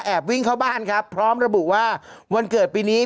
วิ่งเข้าบ้านครับพร้อมระบุว่าวันเกิดปีนี้